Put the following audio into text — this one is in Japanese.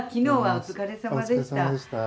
お疲れさまでした。